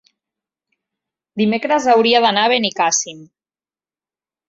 Dimecres hauria d'anar a Benicàssim.